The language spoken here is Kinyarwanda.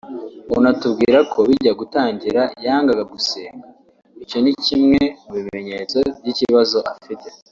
unatubwira ko bijya gutangira yangaga gusenga (icyo ni kimwe mu bimenyetso by’ikibazo afite)